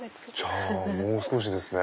じゃあもう少しですね。